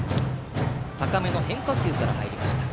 高めの変化球から入った。